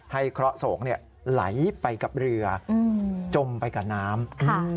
เคราะห์สงฆ์ไหลไปกับเรือจมไปกับน้ำ